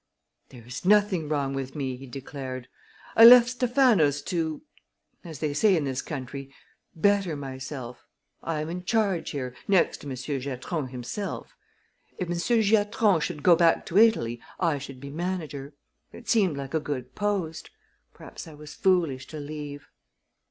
"There is nothing wrong with me," he declared. "I left Stephano's to as they say in this country better myself. I am in charge here next to Monsieur Giatron himself. If Monsieur Giatron should go back to Italy I should be manager. It seemed like a good post. Perhaps I was foolish to leave."